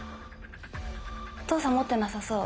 お父さん持ってなさそう。